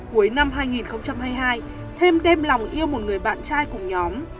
cuối năm hai nghìn hai mươi hai thêm đem lòng yêu một người bạn trai cùng nhóm